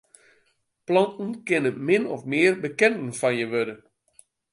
Planten kinne min of mear bekenden fan je wurde.